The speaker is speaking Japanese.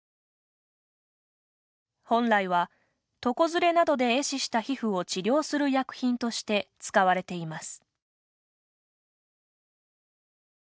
本来は、床ずれなどでえ死した皮膚を治療する薬品として使われています。